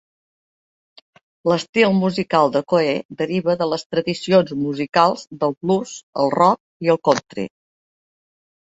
L'estil musical de Coe deriva de les tradicions musicals del blues, el roc i el country.